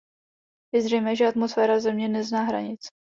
Je zřejmé, že atmosféra Země nezná hranic.